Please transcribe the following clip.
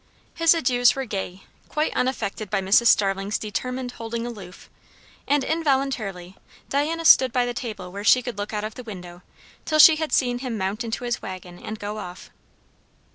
His adieux were gay quite unaffected by Mrs. Starling's determined holding aloof; and involuntarily Diana stood by the table where she could look out of the window, till she had seen him mount into his waggon and go off.